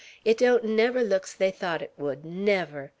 It don't never look's they thought 't would, never!